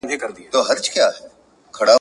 ځکه تاته په قسمت لیکلی اور دی ..